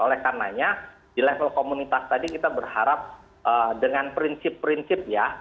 oleh karenanya di level komunitas tadi kita berharap dengan prinsip prinsip ya